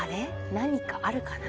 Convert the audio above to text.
何かあるかな？